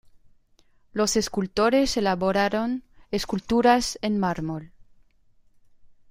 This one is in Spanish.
Los escultores elaboraron esculturas en mármol.